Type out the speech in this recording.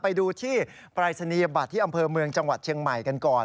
ไปดูที่ปรายศนียบัตรที่อำเภอเมืองจังหวัดเชียงใหม่กันก่อน